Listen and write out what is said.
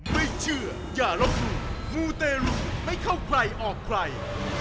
ไม่เชื่ออย่าลบหลู่มูเตรุไม่เข้าใครออกใคร